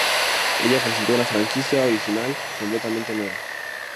Ella representó una franquicia original completamente nueva.